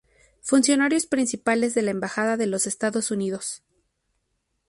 Funcionarios principales de la embajada de los Estados Unidos